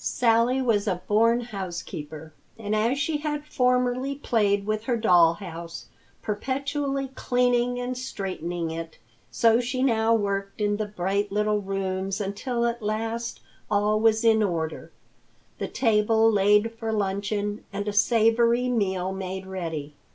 Sally was a born housekeeper, and as she had formerly played with her doll house, perpetually cleaning and straightening it, so she now worked in the bright little rooms until at last all was in order, the table laid for luncheon and a savory meal made ready.